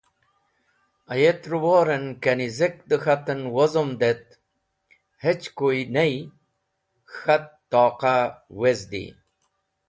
Ayet rẽwor ne kanizek dẽ k̃hat en wozomd et hechkuy ney, k̃hat toqa wezdi.